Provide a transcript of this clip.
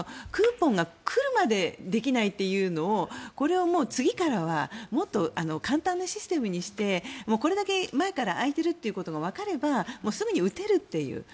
クーポンが来るまでできないというのをこれを次からはもっと簡単なシステムにしてこれだけ前から空いているということがわかればすぐに打てるという。